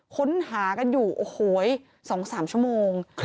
ค้นหากันอยู่โอ้โห๒๓ชั่วโมง